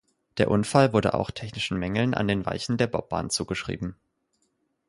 Der Unfall wurde auch technischen Mängeln an den Weichen der Bobbahn zugeschrieben.